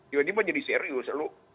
jadi mau jadi serius